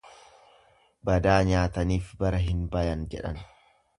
Badaa nyaataniif bara hin bayan jedhan.